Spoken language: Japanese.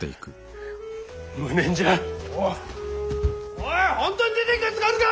おい本当に出ていくやつがあるか！